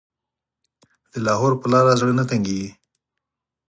د لاهور په لاره زړه نه تنګېږي.